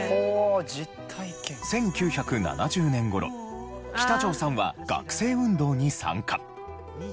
１９７０年頃喜多條さんは学生運動に参加。